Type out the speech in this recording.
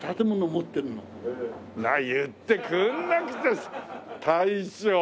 言ってくんなくて大将。